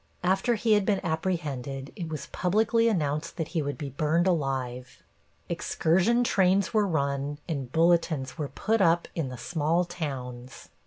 After he had been apprehended, it was publicly announced that he would be burned alive. Excursion trains were run and bulletins were put up in the small towns.